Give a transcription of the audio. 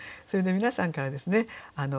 それで皆さんからですね